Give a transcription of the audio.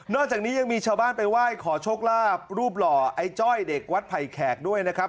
จากนี้ยังมีชาวบ้านไปไหว้ขอโชคลาภรูปหล่อไอ้จ้อยเด็กวัดไผ่แขกด้วยนะครับ